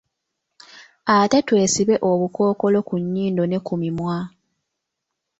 Ate twesibe obukookolo ku nyindo ne ku mimwa.